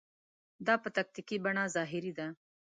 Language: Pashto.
دا په تکتیکي بڼه ظاهري ده.